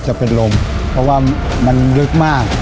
จะเป็นลมเพราะว่ามันลึกมาก